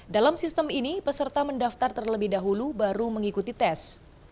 dalam sistem ini peserta mendaftar terlebih dahulu baru mengikuti tes